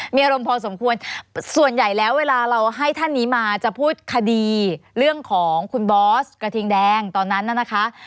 มีอารมณ์พอสมควรส่วนใหญ่แล้วเวลาเราให้ท่านนี้มาจะพูดคดีเรื่องของคุณบอสกระทิงแดงตอนนั้นน่ะนะคะ